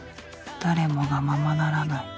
誰もがままならない